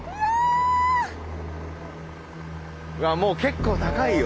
うわもう結構高いよ！